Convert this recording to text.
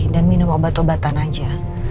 dan minum obat obatan aja